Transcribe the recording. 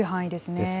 ですね。